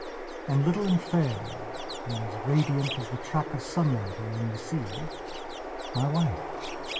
And, little and fair, and as radiant as the track of sunlight along the seamy wife.